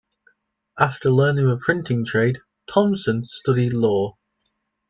After learning the printing trade, Thompson studied law.